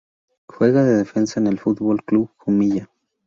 Juega de defensa en el Fútbol Club Jumilla.